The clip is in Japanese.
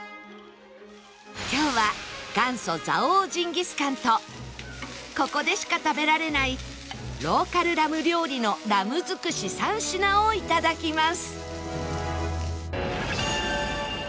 今日は元祖蔵王ジンギスカンとここでしか食べられないローカルラム料理のラム尽くし３品を頂きます